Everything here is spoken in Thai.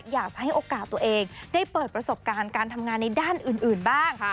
อยากจะให้โอกาสตัวเองได้เปิดประสบการณ์การทำงานในด้านอื่นบ้าง